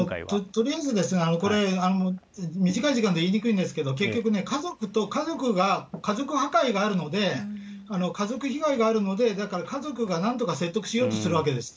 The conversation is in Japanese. とりあえず、これ、短い時間で言いにくいんですけど、結局、家族と家族が、家族破壊があるので、家族被害があるので、だから家族がなんとか説得しようとするわけです。